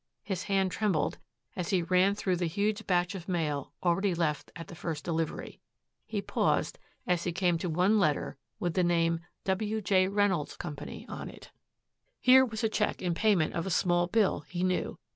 His hand trembled as he ran through the huge batch of mail already left at the first delivery. He paused as he came to one letter with the name "W. J. REYNOLDS CO." on it. Here was a check in payment of a small bill, he knew.